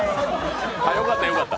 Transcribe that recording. よかった、よかった。